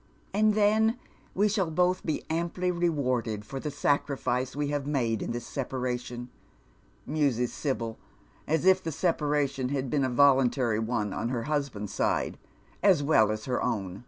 " And then we shall both be amply rewarded for the sacrifice we Lave made in this separation," muses Sibyl, as if the separa tion had been a voluntary one on her husband's side as well as her own.